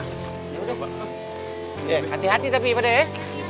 hati hati tapi pada eh